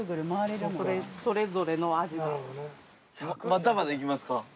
まだまだいきますか？